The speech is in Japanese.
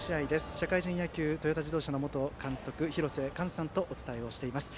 社会人野球トヨタ自動車の元監督廣瀬寛さんとお伝えをしています。